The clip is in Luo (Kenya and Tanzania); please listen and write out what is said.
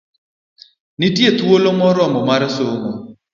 Nitiere thuolo moromo mar somo.